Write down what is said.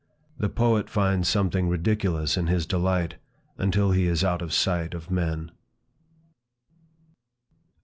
The poet finds something ridiculous in his delight, until he is out of the sight of men.